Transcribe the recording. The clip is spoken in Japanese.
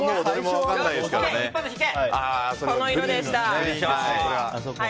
この色でした。